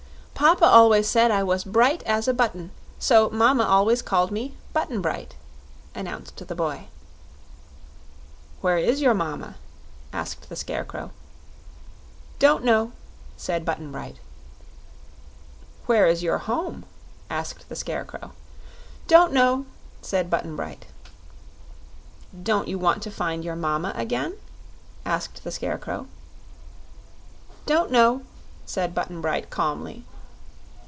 "Papa always said I was bright as a button, so mama always called me Button Bright," announced the boy. "Where is your mama?" asked the Scarecrow. "Don't know," said Button Bright. "Where is your home?" asked the Scarecrow. "Don't know," said Button Bright. "Don't you want to find your mama again?" asked the Scarecrow. "Don't know," said Button Bright, calmly.